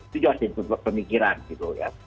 itu juga harus diikuti pemikiran gitu ya